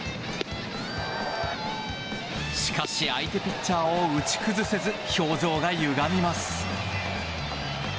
しかし、相手ピッチャーを打ち崩せず表情がゆがみます。